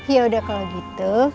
ya udah kalau gitu